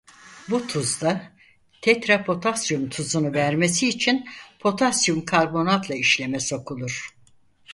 Bu tuz da tetrapotasyum tuzunu vermesi için potasyum karbonatla işleme sokulur.